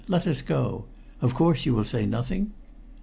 "Let us go. Of course you will say nothing?"